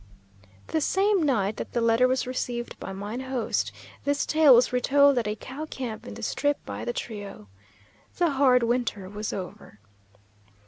The same night that the letter was received by mine host, this tale was retold at a cow camp in the Strip by the trio. The hard winter was over.